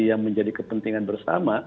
yang menjadi kepentingan bersama